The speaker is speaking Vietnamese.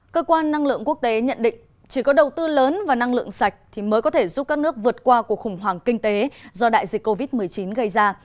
cơ quan năng lượng quốc tế nhận định chỉ có đầu tư lớn và năng lượng sạch thì mới có thể giúp các nước vượt qua cuộc khủng hoảng kinh tế do đại dịch covid một mươi chín gây ra